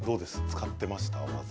使っていました？技。